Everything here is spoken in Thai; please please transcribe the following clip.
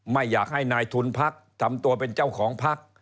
ไม่อยากให้นายทุนพักทำตัวเป็นเจ้าของพัก